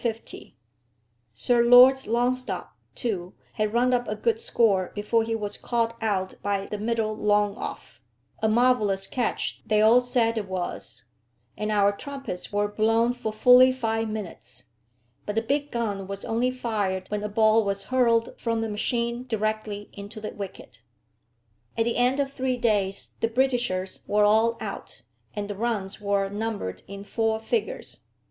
Sir Lords Longstop, too, had run up a good score before he was caught out by the middle long off, a marvellous catch they all said it was, and our trumpets were blown for fully five minutes. But the big gun was only fired when a ball was hurled from the machine directly into the wicket. At the end of three days the Britishers were all out, and the runs were numbered in four figures.